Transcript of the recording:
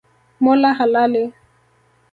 Mola halali